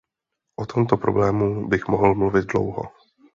O tomto problému bych mohl mluvit dlouho.